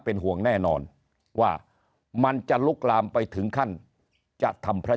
เป็นห่วงแน่นอนว่ามันจะลุกลามไปถึงขั้นจะทำพระ